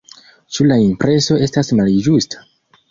Ĉu la impreso estas malĝusta?